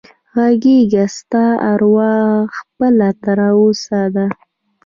غږېږه ستا اروا خپله تر اوسه ده